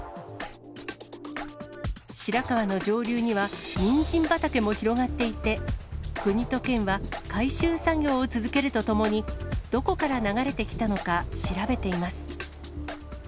白川の上流にはニンジン畑も広がっていて、国と県は、回収作業を続けるとともに、どこから流れてきたのか、調べています。